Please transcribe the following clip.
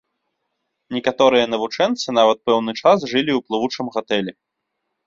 Некаторыя навучэнцы нават пэўны час жылі ў плывучым гатэлі.